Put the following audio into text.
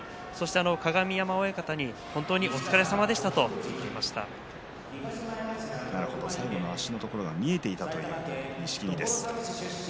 鏡山親方に本当にお疲れさまでしたと最後の足のところが見えていたという錦木です。